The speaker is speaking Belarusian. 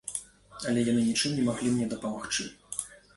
Але яны нічым не маглі мне дапамагчы.